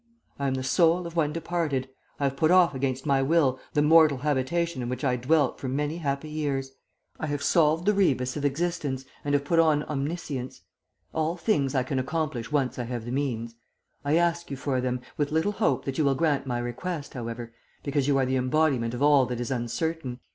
I am the soul of one departed. I have put off against my will the mortal habitation in which I dwelt for many happy years. I have solved the rebus of existence and have put on omniscience. All things I can accomplish once I have the means. I ask you for them, with little hope that you will grant my request, however, because you are the embodiment of all that is uncertain.